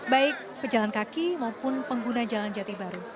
baik pejalan kaki maupun pengguna jalan jati baru